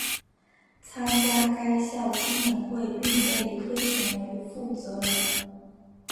参加该校青年会并被推选为负责人。